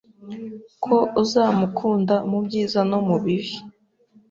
ko uzamukunda mu byiza no mu bibi